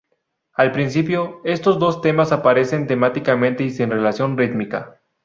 Al principio, estos dos temas aparecen temáticamente y sin relación rítmica.